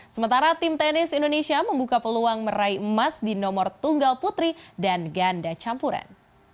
sementara tim tenis indonesia membuka peluang meraih emas di nomor tunggal putri dan ganda campuran